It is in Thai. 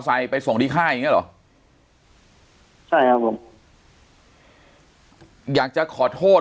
ไปส่งที่ค่ายอย่างเงี้เหรอใช่ครับผมอยากจะขอโทษ